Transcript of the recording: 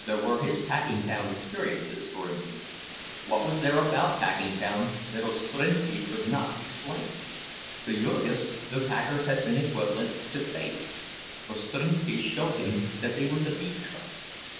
There were his Packingtown experiences, for instance—what was there about Packingtown that Ostrinski could not explain! To Jurgis the packers had been equivalent to fate; Ostrinski showed him that they were the Beef Trust.